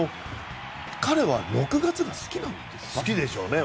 彼は６月が好きなんですか？